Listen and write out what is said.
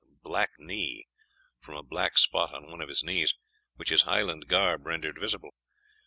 e._ Black Knee, from a black spot on one of his knees, which his Highland garb rendered visible.